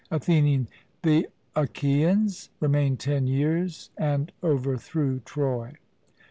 ATHENIAN: The Achaeans remained ten years, and overthrew Troy.